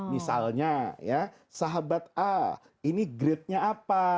misalnya ya sahabat a ini grade nya apa